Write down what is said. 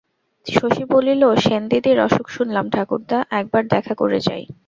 শশী বলিল, সেনদিদির অসুখ শুনলাম ঠাকুরদা, একবার দেখা করে যাই।